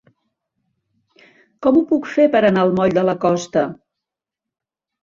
Com ho puc fer per anar al moll de la Costa?